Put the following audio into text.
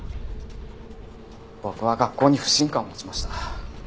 僕は学校に不信感を持ちました。